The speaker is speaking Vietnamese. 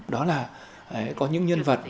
đó là có những nhân vật